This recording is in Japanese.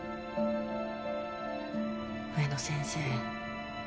植野先生